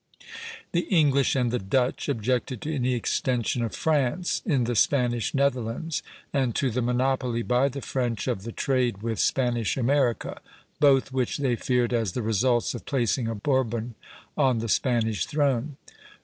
The English and the Dutch objected to any extension of France in the Spanish Netherlands, and to the monopoly by the French of the trade with Spanish America, both which they feared as the results of placing a Bourbon on the Spanish throne.